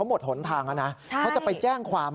มันก็หาย